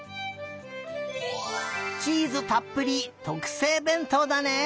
チーズたっぷりとくせいべんとうだね！